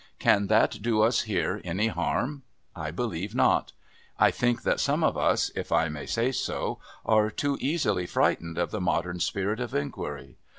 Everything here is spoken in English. Can that do us here any harm? I believe not. I think that some of us, if I may say so, are too easily frightened of the modern spirit of enquiry.